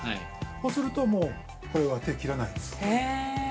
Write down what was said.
そうするともう、これは手、切らないです。